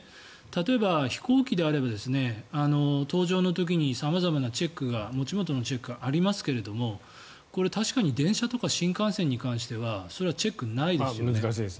例えば、飛行機であれば搭乗の時に様々なチェックが持ち物のチェックがありますけどこれ、確かに電車とか新幹線に関してはそれはチェック、ないですよね。